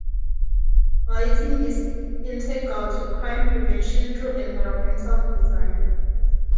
Lighting is integral to crime prevention through environmental design.